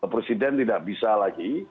presiden tidak bisa lagi